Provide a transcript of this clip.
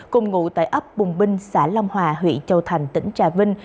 cùng ngụ tại ấp bùng binh xã long hòa huyện châu thành tỉnh trà vinh